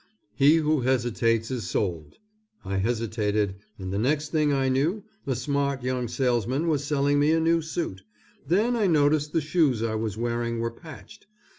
He who hesitates is sold. I hesitated, and the next thing I knew a smart young salesman was selling me a new suit, then I noticed the shoes I was wearing were patched.